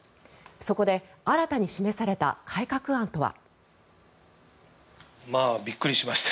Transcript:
そこで新たに示された改革案とは。